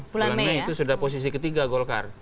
bulan mei itu sudah posisi ketiga golkar